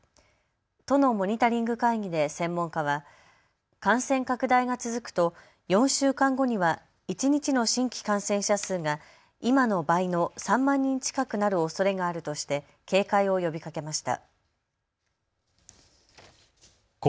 都のモニタリング会議で専門家は感染拡大が続くと４週間後には一日の新規感染者数が今の倍の３万人近くなるおそれがあるとして警戒を呼びかけました。